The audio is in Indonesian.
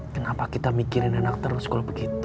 kenapa kita mikirin anak terus sekolah begitu